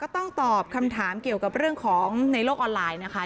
ต้องตอบคำถามเกี่ยวกับเรื่องของในโลกออนไลน์นะคะ